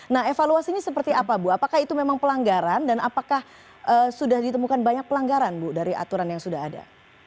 nah evaluasinya seperti apa bu apakah itu memang pelanggaran dan apakah sudah ditemukan banyak pelanggaran bu dari aturan yang sudah ada